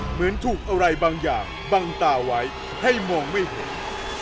เหมือนถูกอะไรบางอย่างบังตาไว้ให้มองไม่เห็น